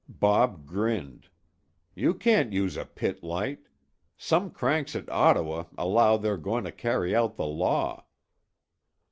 Bob grinned. "You can't use a pit light. Some cranks at Ottawa allow they're going to carry out the law."